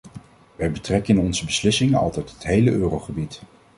Wij betrekken in onze beslissingen altijd het hele eurogebied.